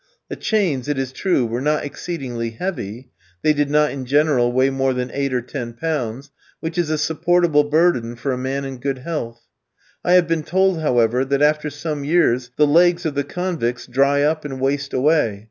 The chains, it is true, were not exceedingly heavy; they did not in general weigh more than eight or ten pounds, which is a supportable burden for a man in good health. I have been told, however, that after some years the legs of the convicts dry up and waste away.